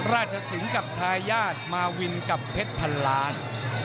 สิงห์กับทายาทมาวินกับเพชรพันล้าน